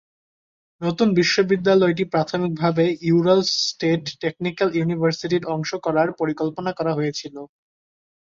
নতুন বিশ্ববিদ্যালয়টি প্রাথমিকভাবে ইউরাল স্টেট টেকনিক্যাল ইউনিভার্সিটির অংশ করার পরিকল্পনা করা হয়েছিল।